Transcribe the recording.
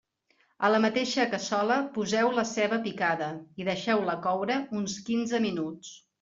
A la mateixa cassola poseu la ceba picada i deixeu-la coure uns quinze minuts.